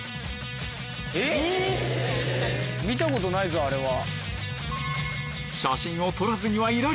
えっ⁉見たことないぞあれは。